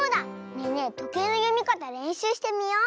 ねえねえとけいのよみかたれんしゅうしてみよう！